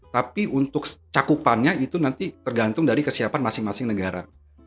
tapi untuk cakupannya itu nanti tergantung dari kesiapan masing masing negara